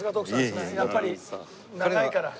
やっぱり長いから。